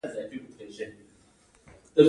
په داسې حال کې چې اومه مواد ارزانه پېري